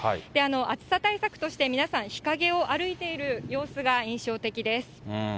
暑さ対策として、皆さん、日陰を歩いている様子が印象的です。